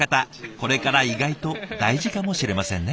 これから意外と大事かもしれませんね。